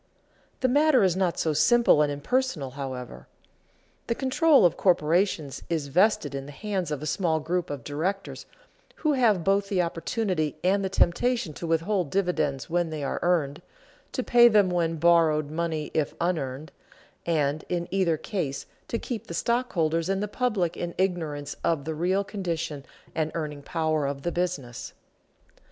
The matter is not so simple and impersonal, however. The control of corporations is vested in the hands of a small group of directors who have both the opportunity and the temptation to withhold dividends when they are earned, to pay them with borrowed money if unearned, and in either case to keep the stockholders and the public in ignorance of the real condition and earning power of the business.